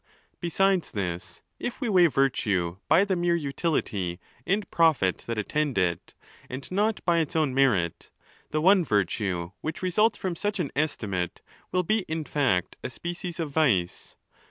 Besides this, if we weigh virtue by the mere utility and profit that attend it, and not by its own merit, the one virtue EE2 420 ON THE LAWS, which results from such an estimate will be in fact a species of vice.